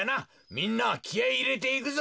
みんなきあいいれていくぞ。